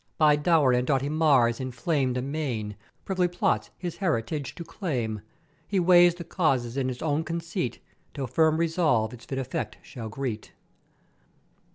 by dour and doughty Mars inflamed amain, privily plots his heritage to claim: He weighs the causes in his own conceit till firm Resolve its fit effect shall greet.